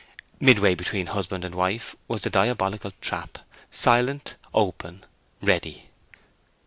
Midway between husband and wife was the diabolical trap, silent, open, ready.